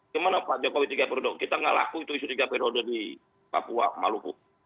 gimana pak jokowi tiga periode kita nggak laku itu isu tiga periode di papua maluku